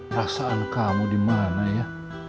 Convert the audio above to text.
rasaan kamu dimana ya